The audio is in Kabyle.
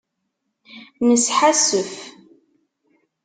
Nesḥassef.